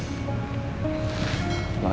makasih banyak ya